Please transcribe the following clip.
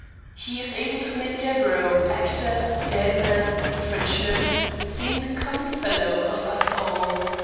He is able to make Deburau, actor, dead man, Frenchman, seem the common fellow of us all.